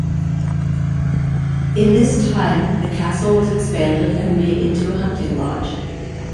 In this time, the castle was expanded and made into a hunting lodge.